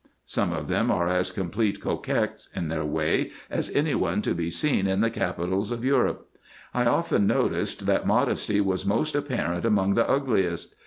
Some of them are as complete coquettes, in their way, as any to be seen in the capitals of Europe. I often noticed, that modesty was most apparent among the ugliest.